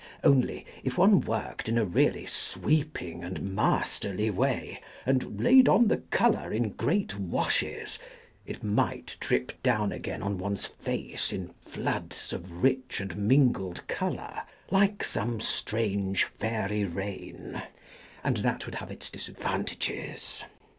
Only if one worked in a really sweeping and masterly way, and laid on the colour in great washes, it might drip down again on one's face in floods of rich and mingled colour like some strange fairy rain ; and that would have its disadvantages.